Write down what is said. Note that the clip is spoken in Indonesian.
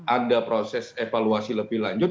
ada proses evaluasi lebih lanjut